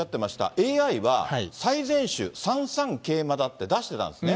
ＡＩは最善手、３三桂馬だって出してたんですね。